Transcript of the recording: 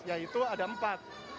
yaitu ada empat